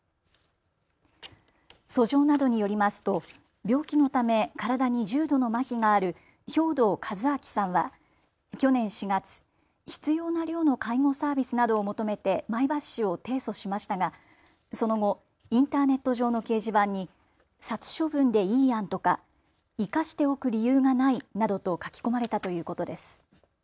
訴状などによりますと病気のため体に重度のまひがある兵藤一晶さんは去年４月、必要な量の介護サービスなどを求めて前橋市を提訴しましたがその後、インターネット上の掲示板に殺処分でいいやんとか生かしておく理由がないなどと書き込まれたということです。